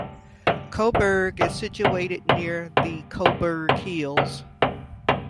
Coburg is situated near the Coburg Hills.